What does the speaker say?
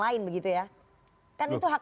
lain begitu ya kan itu hak